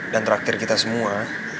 dan traktir kita semua